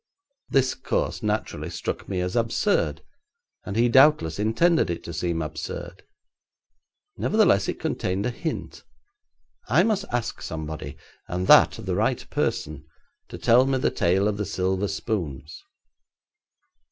This course naturally struck me as absurd, and he doubtless intended it to seem absurd. Nevertheless, it contained a hint. I must ask somebody, and that the right person, to tell me the tale of the silver spoons.